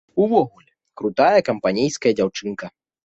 Увогуле, крутая, кампанейская дзяўчынка!